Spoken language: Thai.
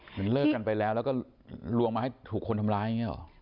เลิกกันไปแล้วแล้วก็ลวงมาให้ถูกคนทำร้ายอย่างนี้หรอ